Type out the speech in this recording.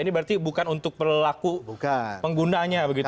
ini berarti bukan untuk pelaku penggunanya begitu